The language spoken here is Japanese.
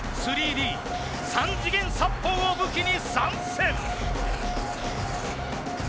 ３Ｄ三次元殺法を武器に参戦！